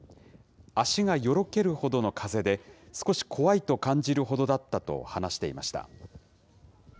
足がよろけるほどの風で、少し怖いと感じるほどだったと話していました。